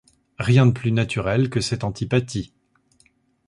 Rien de plus naturel que cette antipathie.